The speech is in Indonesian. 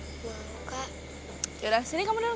belum kak yaudah sini kamu duduk